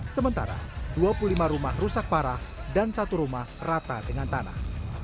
sementara dua puluh lima rumah rusak parah dan satu rumah rata dengan tanah